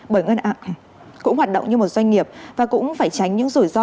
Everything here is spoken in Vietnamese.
bởi ngân hàng cũng hoạt động như một doanh nghiệp và cũng phải tránh những rủi ro